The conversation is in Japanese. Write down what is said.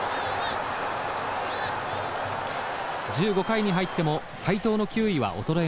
１５回に入っても斎藤の球威は衰えません。